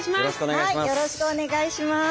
よろしくお願いします。